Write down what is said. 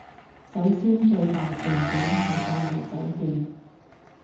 首先最大成本係隔離酒店